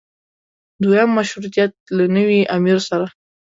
دویم مشروطیت له نوي امیر سره.